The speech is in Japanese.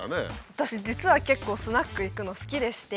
私実は結構スナック行くの好きでして。